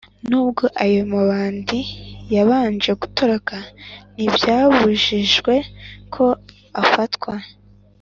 Nubwo ayo mabandi yabanje gutoroka ntibyabujijwe ko afatwa